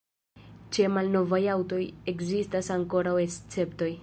Ĉe malnovaj aŭtoj ekzistas ankoraŭ esceptoj.